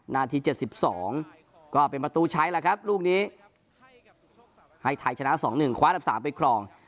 นาที๗๒ก็เป็นประตูใช้แล้วครับลูกนี้ให้ไทยชนะ๒๑คว้าอันดับ๓ไปครอง